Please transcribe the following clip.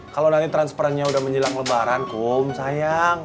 kalau nanti transferannya udah menjelang lebaran kum sayang